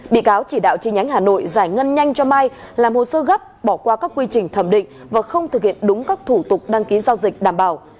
bị cáo chỉ đạo chi nhánh hà nội giải ngân nhanh cho mai làm hồ sơ gấp bỏ qua các quy trình thẩm định và không thực hiện đúng các thủ tục đăng ký giao dịch đảm bảo